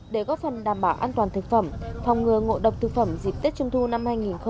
để góp phần đảm bảo an toàn thực phẩm phòng ngừa ngộ độc thực phẩm dịp tết trung thu năm hai nghìn hai mươi